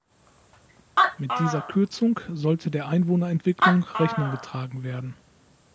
Mit dieser Kürzung sollte der Einwohnerentwicklung Rechnung getragen werden.